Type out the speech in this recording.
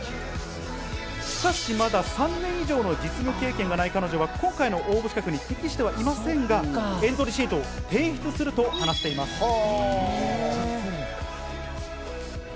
しかし、まだ３年以上の実務経験がない彼女は今回の応募時期にはあたりませんが、エントリーシートは提出するといいます。